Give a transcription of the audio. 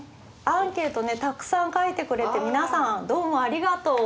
アンケートねたくさん書いてくれて皆さんどうもありがとう。